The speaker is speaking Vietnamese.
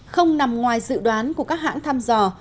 không nằm ngoài dự đoán của các hãng thăm dò